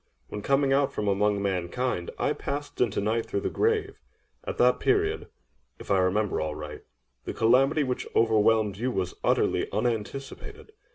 When, coming out from among mankind, I passed into Night through the Grave—at that period, if I remember aright, the calamity which overwhelmed you was utterly unanticipated.